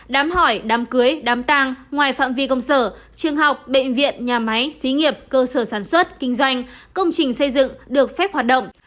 đám hỏi đám cưới đám tang ngoài phạm vi công sở trường học bệnh viện nhà máy xí nghiệp cơ sở sản xuất kinh doanh công trình xây dựng được phép hoạt động